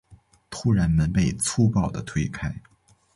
突然门被粗暴的推开